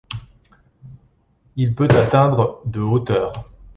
Il peut atteindre de hauteur.